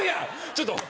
ちょっと。